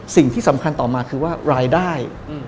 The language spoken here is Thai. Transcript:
สิ่งที่สำคัญต่อมาคือว่ารายได้